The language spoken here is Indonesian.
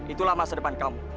itulah masa depan kamu